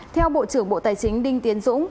theo bộ trưởng bộ tài chính đinh tiến dũng